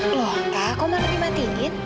loh kak kok malah dimatikan